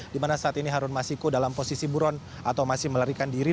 di mana saat ini harun masiku dalam posisi buron atau masih melarikan diri